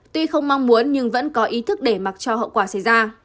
tuy không mong muốn nhưng vẫn có ý thức để mặc cho hậu quả xảy ra